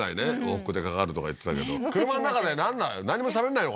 往復でかかるとか言ってたけど車の中でなんない？